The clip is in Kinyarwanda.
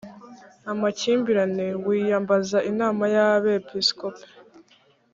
amakimbirane wiyambaza inama y abepiskopi